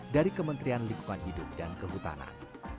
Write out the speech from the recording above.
dari kementerian lingkungan hidup dan kehutanan